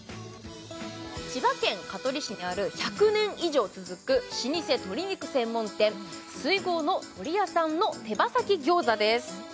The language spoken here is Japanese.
千葉県香取市にある１００年以上続く老舗鶏肉専門店水郷のとりやさんの手羽先餃子です